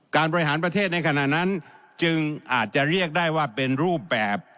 บริหารประเทศในขณะนั้นจึงอาจจะเรียกได้ว่าเป็นรูปแบบ